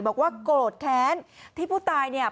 บอกว่าโกรธแค้นที่ผู้ตายเนี่ย